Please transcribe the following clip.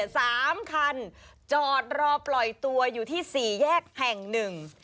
สามคันจอดรอปล่อยตัวอยู่ที่สี่แยกแห่งหนึ่ง